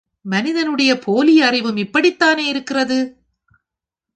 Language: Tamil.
மனிதனுடைய போலி அறிவும் இப்படித்தேனே இருக்கிறது!